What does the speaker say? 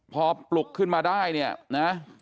พอปลุกขึ้นมาได้เนี่ยนะ